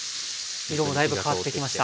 色もだいぶ変わってきました。